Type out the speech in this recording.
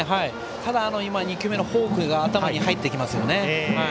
ただ２球目のフォークが頭に入ってきますよね。